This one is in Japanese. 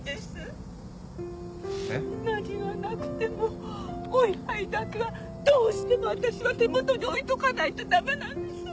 何がなくてもお位牌だけはどうしても私は手元に置いとかないと駄目なんです。